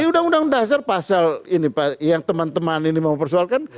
di undang undang dasar pasal ini pak yang teman teman ini mau persoalkan